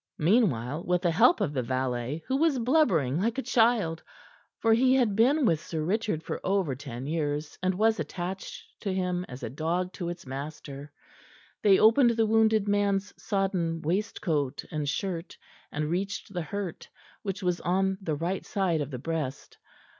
Meanwhile, with the help of the valet, who was blubbering like a child for he had been with Sir Richard for over ten years, and was attached to him as a dog to its master they opened the wounded man's sodden waistcoat and shirt, and reached the hurt, which was on the right side of the breast.